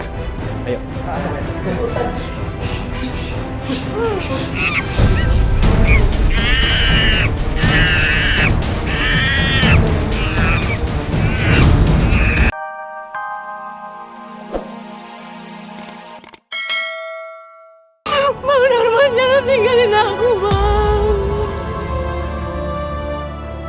hai ayo sekarang aku mau ngerjain tinggalin aku banget